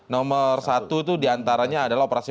nomor satu itu diantaranya adalah operasi